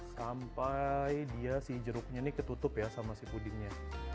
sampai dia si jeruknya ini ketutup ya sama si pudingnya